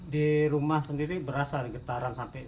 di rumah sendiri berasa getaran sampai